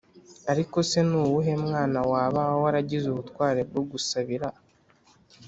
ariko se ni uwuhe mwana waba waragize ubutwari bwo gusabira